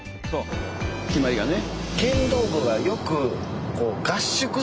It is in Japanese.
決まりがね。